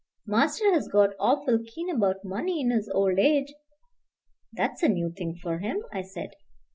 Master has got awful keen about money in his old age." "That's a new thing for him," I said.